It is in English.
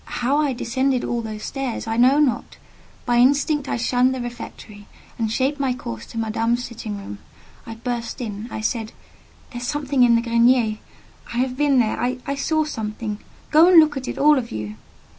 How I descended all the stairs I know not. By instinct I shunned the refectory, and shaped my course to Madame's sitting room: I burst in. I said— "There is something in the grenier; I have been there: I saw something. Go and look at it, all of you!"